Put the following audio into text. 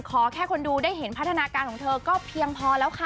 ขอแค่คนดูได้เห็นพัฒนาการของเธอก็เพียงพอแล้วค่ะ